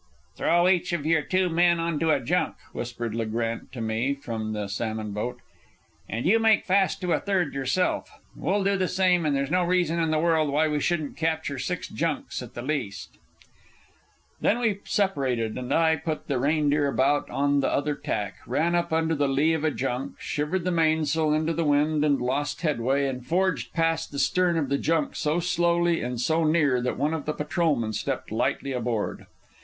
"Throw each of your two men on to a junk," whispered Le Grant to me from the salmon boat. "And you make fast to a third yourself. We'll do the same, and there's no reason in the world why we shouldn't capture six junks at the least." Then we separated. I put the Reindeer about on the other tack, ran up under the lee of a junk, shivered the mainsail into the wind and lost headway, and forged past the stern of the junk so slowly and so near that one of the patrolmen stepped lightly aboard.